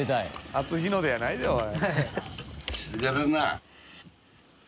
初日の出じゃないでおい。